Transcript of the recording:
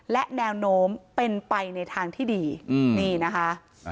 และแนวโน้มเป็นไปในทางที่ดีนี่นะคะ